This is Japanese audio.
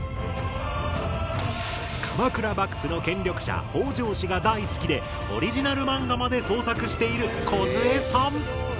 鎌倉幕府の権力者北条氏が大好きでオリジナルマンガまで創作しているこずえさん。